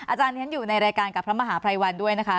อาจารย์อยู่ในรายการกับพระมหาภัยวันด้วยนะคะ